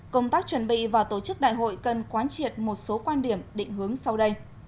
công tác chuẩn bị và tổ chức đại hội cần quán triệt một số quan điểm định hướng sau đây